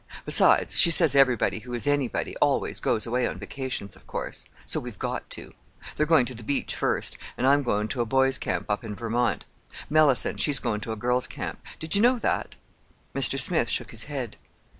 Besides, she says everybody who is anybody always goes away on vacations, of course. So we've got to. They're goin' to the beach first, and I'm goin' to a boys' camp up in Vermont—Mellicent, she's goin' to a girls' camp. Did you know that?" Mr. Smith shook his head.